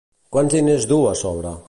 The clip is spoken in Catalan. Quants diners duu a sobre?